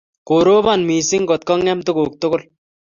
Koropon missing' ngot kong'em tuguk tugul.